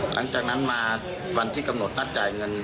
หลังจากนั้นมาวันที่กำหนดนัดจ่ายเงิน